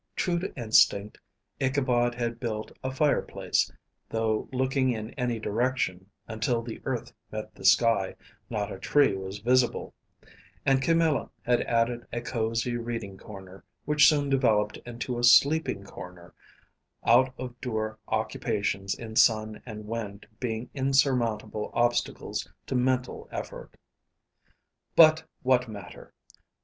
True to instinct, Ichabod had built a fireplace, though looking in any direction until the earth met the sky, not a tree was visible; and Camilla had added a cozy reading corner, which soon developed into a sleeping corner, out of door occupations in sun and wind being insurmountable obstacles to mental effort. But what matter!